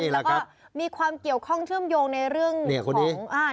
แล้วก็มีความเกี่ยวข้องเชื่อมโยงในเรื่องของ